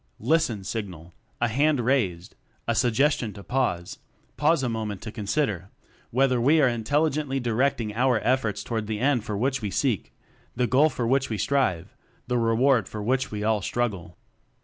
Listen! signal; a hand raised; a suggestion to pause pause a mo ment to consider whether we are intelligently directing our efforts toward the end for which we seek, the goal for which we strive, the reward for which we all struggle.